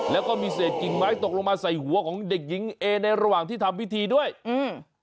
แล้วก็มีเศษกิ่งไม้ตกลงมาใส่หัวของเด็กหญิงเอในระหว่างที่ทำพิธีด้วยอืม